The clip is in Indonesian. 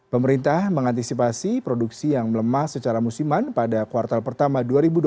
pemerintah mengantisipasi produksi yang melemah secara musiman pada kuartal pertama dua ribu dua puluh